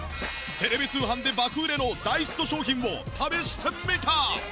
テレビ通販で爆売れの大ヒット商品を試してみた！